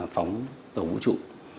phóng tàu vũ trụ